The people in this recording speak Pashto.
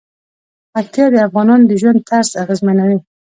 پکتیا د افغانانو د ژوند طرز اغېزمنوي.